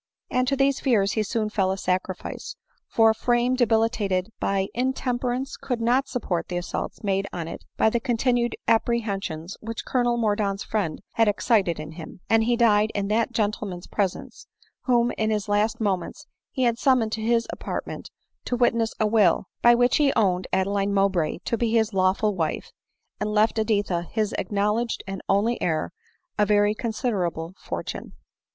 And to these fears he soon fell a sacrifice ; for a frame debilitated by intemperance could not support the assaults made on it by the continued apprehensions which Colonel Mordaunt's friend had excited in him ; and he died in that gentleman's presence, whom in his last moments he had summoned to his apartment to witness a wHl, by which he owned Adeline Mowbray to be his lawful wife, and left Editha his acknowledged and only heir, a very considerable fortune.